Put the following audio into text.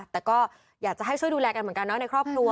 แต่ก็อยากจะให้ช่วยดูแลกันเหมือนกันนะในครอบครัว